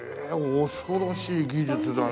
恐ろしい技術だな。